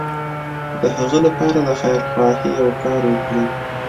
د هغه لپاره د خيرخواهي يو کار وکړي.